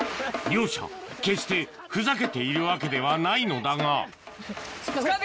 両者決してふざけているわけではないのだがつかめん。